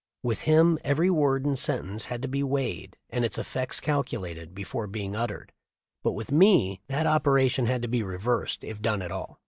With him every word and sentence had to be weighed and its effects calculated, before being uttered : but with me that operation had to be reversed if done at all.